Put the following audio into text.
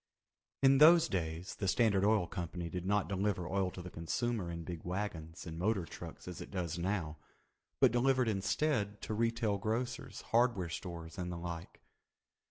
In those days the Standard Oil Company did not deliver oil to the consumer in big wagons and motor trucks as it does now, but delivered instead to retail grocers, hardware stores, and the like.